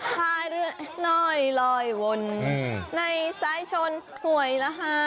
พายเรือหน่อยลอยวนในสายชนหวยละฮา